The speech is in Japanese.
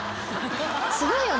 すごいよね